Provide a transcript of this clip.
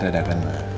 tadi ada kan